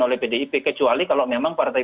oleh pdip kecuali kalau memang partai